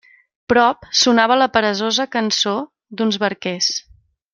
Prop sonava la peresosa cançó d'uns barquers.